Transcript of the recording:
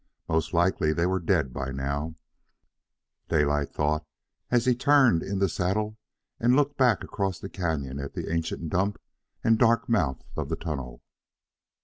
Most likely they were dead by now, Daylight thought, as he turned in the saddle and looked back across the canyon at the ancient dump and dark mouth of the tunnel.